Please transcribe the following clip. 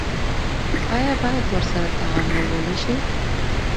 آیا باید ورسره تعامل ونشي؟